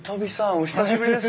お久しぶりです。